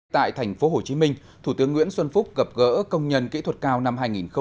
tại tp hcm thủ tướng nguyễn xuân phúc gặp gỡ công nhân kỹ thuật cao năm hai nghìn một mươi chín